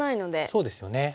そうですよね。